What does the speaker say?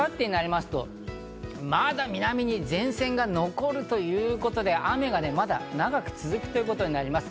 それが明後日になりますと、まだ南に前線が残るということで、雨がまだ長く続くということになります。